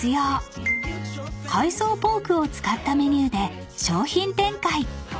［海藻ポークを使ったメニューで商品展開］